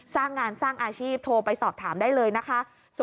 สร้างงานสร้างอาชีพโทรไปสอบถามได้เลยนะคะ